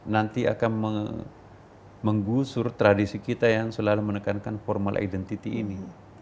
nanti akan menggusur tradisi kita yang selalu menekankan formal identity ini